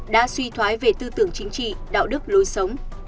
đã suy thoái về tư tưởng chính trị đạo đức lối sống